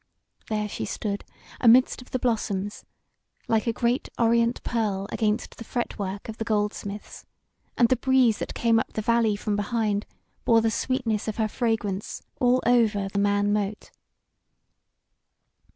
There she stood amidst of the blossoms, like a great orient pearl against the fretwork of the goldsmiths, and the breeze that came up the valley from behind bore the sweetness of her fragrance all over the Man mote.